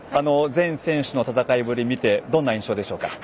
全選手の戦いぶり見てどんな印象でしょうか？